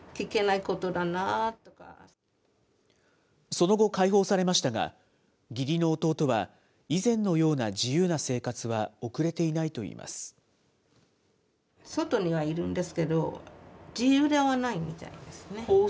その後、解放されましたが、義理の弟は以前のような自由な生活は送れていないといいます。